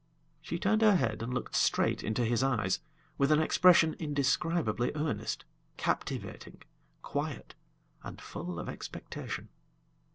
She turned her head and looked straight into his eyes, with an expression indescribably earnest, captivating, quiet, and full of expectation.